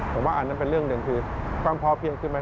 ผมว่านั่นเป็นเรื่องหนึ่งคือความพอเพียงคือ